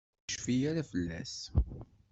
Ur yecfi ara fell-as?